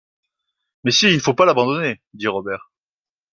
Mais il ne faut pas l’abandonner! dit Robert.